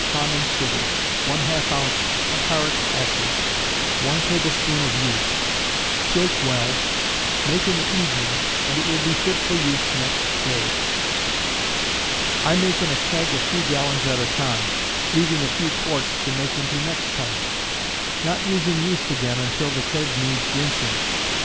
common sugar, ½ oz. tartaric acid, 1 tablespoonful of yeast, shake well, make in the evening, and it will be fit for use next day. I make in a keg a few gallons at a time, leaving a few quarts to make into next time; not using yeast again until the keg needs rinsing.